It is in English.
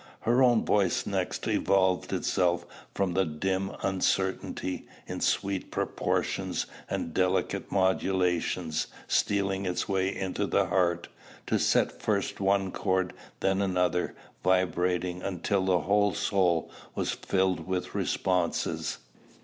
Her own voice next evolved itself from the dim uncertainty, in sweet proportions and delicate modulations, stealing its way into the heart, to set first one chord, then another, vibrating, until the whole soul was filled with responses.